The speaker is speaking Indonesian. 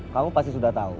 kamu pasti sudah tahu